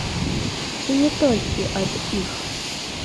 І не толькі ад іх.